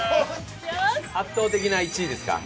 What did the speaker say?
圧倒的な１位ですか？